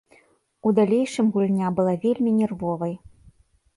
У далейшым гульня была вельмі нервовай.